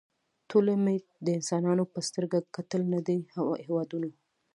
ټولو ته مې د انسانانو په سترګه کتل نه د هېوادونو